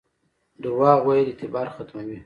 دروغ ویل اعتبار ختموي